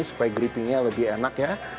supaya grippingnya lebih enak ya